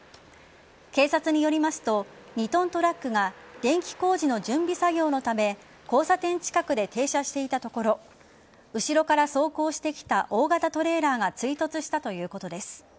警察によりますと２ｔトラックが電気工事の準備作業のため交差点近くで停車していたところ後ろから走行してきた大型トレーラーが追突したということです。